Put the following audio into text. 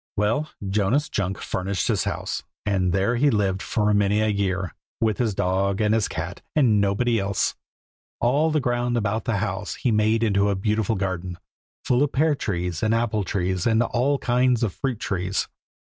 Well, Jonas Junk furnished his house, and there he lived for many a year, with his dog and his cat, and nobody else. All the ground about the house he made into a beautiful garden, full of pear trees and apple trees and all kinds of fruit trees.